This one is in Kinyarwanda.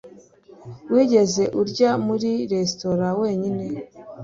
Wigeze urya muri resitora wenyine?